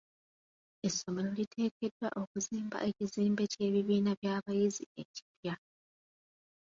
Essomero liteekeddwa okuzimba ekizimbe ky'ebibiina by'abayizi ekipya.